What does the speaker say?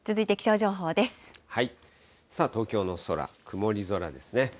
さあ、東京の空、曇り空ですね。